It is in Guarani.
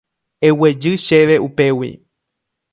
Eguejy chéve upégui.